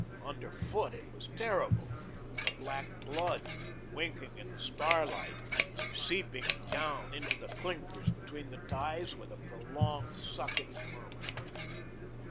Under foot it was terrible. The black blood, winking in the starlight, seeped down into the clinkers between the ties with a prolonged sucking murmur.